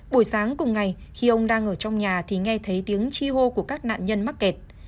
buổi sáng cùng ngày khi ông đang ở trong nhà thì nghe thấy tiếng chi hô của các nạn nhân mắc kẹt